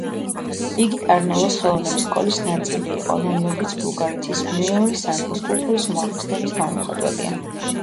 იგი ტარნოვოს ხელოვნების სკოლის ნაწილი იყო, რომელიც ბულგარეთის მეორე სამეფოს კულტურის უმაღლესი დონის გამომხატველია.